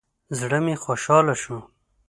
زړه مې خوشحاله شو.